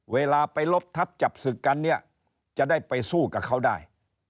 เวลาไปลบทับจับศึกกันเนี่ยจะได้ไปสู้กับเขาได้